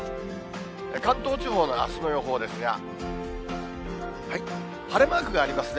関東地方のあすの予報ですが、晴れマークがありますね。